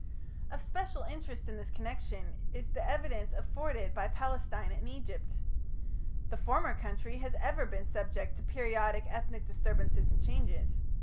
Of special interest in this connection is the evidence afforded by Palestine and Egypt. The former country has ever been subject to periodic ethnic disturbances and changes.